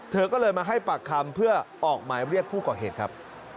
เธอก็เลยมาให้ปากคำเพื่อออกหมายเรียกผู้ก่อเหตุครับ